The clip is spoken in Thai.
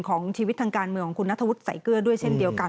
ของชีวิตทางการเมืองของคุณนัทวุฒิใส่เกลือด้วยเช่นเดียวกัน